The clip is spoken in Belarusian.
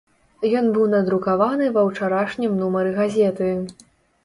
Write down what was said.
Ён быў надрукаваны ва ўчарашнім нумары газеты.